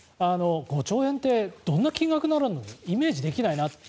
５兆円ってどんな金額なのってイメージできないなって。